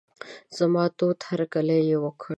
زما تود هرکلی یې وکړ.